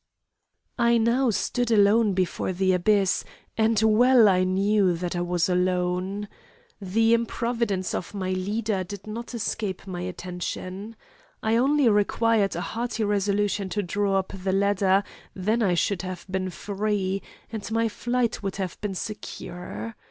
"I now stood alone before the abyss, and well I knew that I was alone. The improvidence of my leader did not escape my attention. It only required a hearty resolution to draw up the ladder; then I should have been free, and my flight would have been secure.